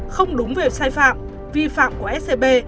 không đúng về sai phạm vi phạm của scb